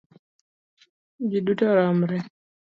Ji duto romre